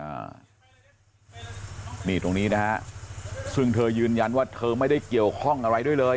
อ่านี่ตรงนี้นะฮะซึ่งเธอยืนยันว่าเธอไม่ได้เกี่ยวข้องอะไรด้วยเลย